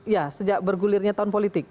ya sejak bergulirnya tahun politik